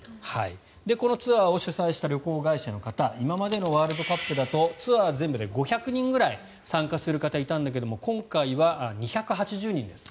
このツアーを主催した旅行会社の方今までのワールドカップだとツアー、全部で５００人くらい参加する方がいたんだけど今回は２８０人です。